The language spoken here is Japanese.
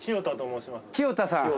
清田さん。